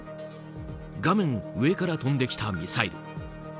画面上から飛んできたミサイル。